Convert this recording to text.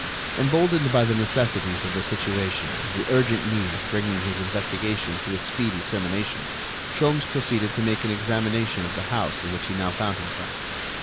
Emboldened by the necessities of the situation and the urgent need of bringing his investigation to a speedy termination, Sholmes proceeded to make an examination of the house in which he now found himself.